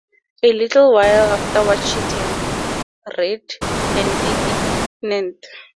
A little while afterwards she returned, red and indignant.